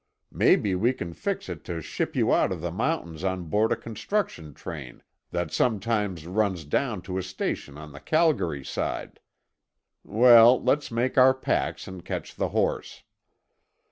Maybe we can fix it to ship you out of the mountains on board a construction train that sometimes runs down to a station on the Calgary side. Well, let's make our packs and catch the horse."